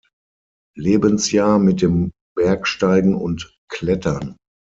Lebensjahr mit dem Bergsteigen und Klettern.